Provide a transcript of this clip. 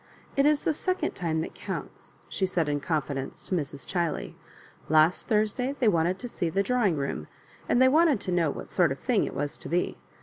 *' It is the second time that counts," she said in confidence to Mrs. Chiley. " Last Thursday they wanted to see the drawing room, and they wanted to know what sort of thing it was to be.